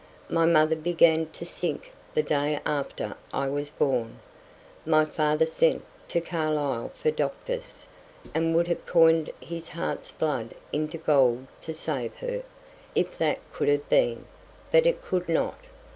My mother began to sink the day after I was born. My father sent to Carlisle for doctors, and would have coined his heart's blood into gold to save her, if that could have been; but it could not.